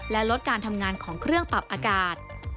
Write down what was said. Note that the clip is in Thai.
และลดการทำงานของเครื่องปรับอากาศ